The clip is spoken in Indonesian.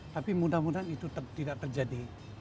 tapi mudah mudahan itu tidak terjadi